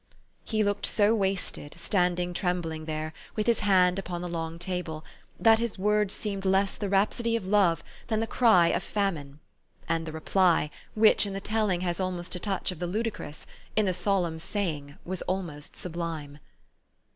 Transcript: He looked so wasted, standing trembling there, with his hand upon the long table, that his words seemed less the rhapsody of love than the cry of famine ; and the reply, which in the telling has almost a touch of the ludicrous, in the solemn saying was almost sublime.